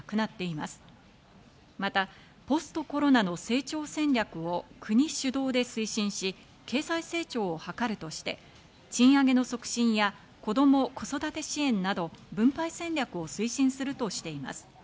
またポストコロナの成長戦略を国主導で推進し、経済成長を図るとして、賃上げの促進や子ども・子育て支援など分配戦略を推進するとしています。